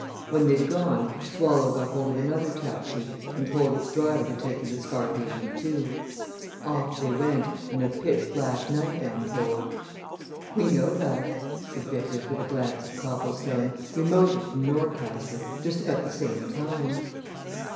When they'd gone Swallow got hold of another taxi, and told its driver to take him to Scarhaven, too. Off they went in a pitch black night, I'm told " "We know that!" said Vickers with a glance at Copplestone. "We motored from Norcaster just about the same time."